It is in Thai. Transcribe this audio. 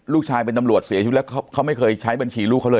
ลูกชายเป็นตำรวจเสียชีวิตแล้วเขาไม่เคยใช้บัญชีลูกเขาเลย